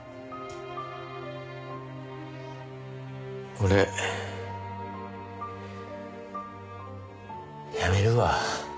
俺辞めるわ。